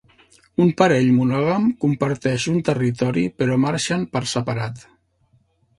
Un parell monògam comparteix un territori però marxen per separat.